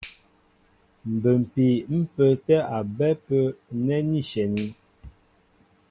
Mbə́mpii ḿ pə́ə́tɛ́ a bɛ́ ápə́ nɛ́ ní shyɛní.